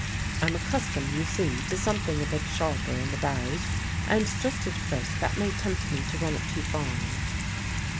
I'm accustomed, you see, to something a bit sharper in the bows, and just at first that may tempt me to run it too fine."